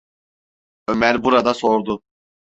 Ömer burada sordu: